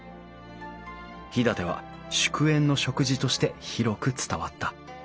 飛騨では祝宴の食事として広く伝わった。